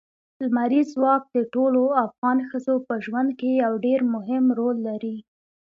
لمریز ځواک د ټولو افغان ښځو په ژوند کې یو ډېر مهم رول لري.